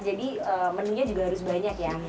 jadi menunya juga harus banyak ya